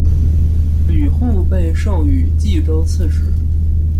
吕护被授予冀州刺史。